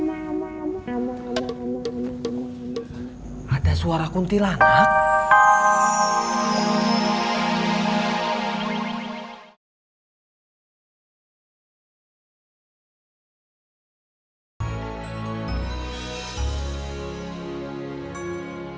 ada suara kuntil anak